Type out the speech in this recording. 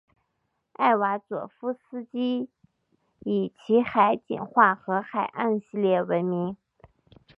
艾瓦佐夫斯基以其海景画和海岸系列闻名。